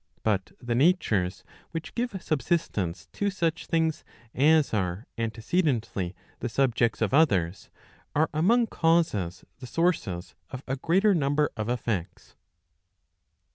But the natures which give subsistence to such things as are antecedently the subjects of others, are among causes the sources of a greater number of effects.